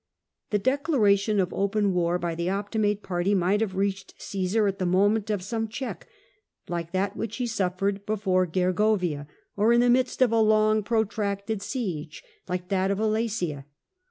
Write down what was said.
The declaration of open war by the Optimate party might have reached Osesar at the moment of some check, like that which he suffered before Gei'govia, or in the midst of a long protracted siege like tliat of Alesia.